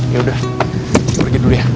yaudah gue pergi dulu ya